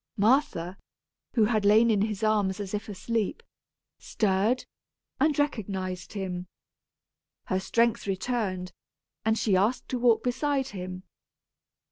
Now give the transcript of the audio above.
Martha, who had lain in his arms as if asleep, stirred, and recognized him. Her strength returned, and she asked to walk beside him.